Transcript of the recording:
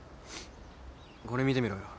これ見てみろよ。